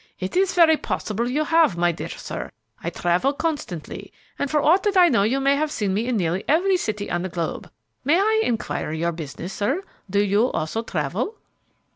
"It is very possible you have, my dear sir; I travel constantly, and for aught that I know you may have seen me in nearly every city on the globe. May I inquire your business, sir? Do you also travel?"